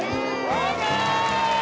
ＯＫ！